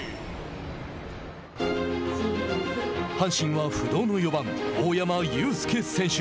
阪神は不動の４番大山悠輔選手。